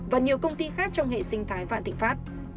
và nhiều công ty khác trong hệ sinh thái vạn thịnh pháp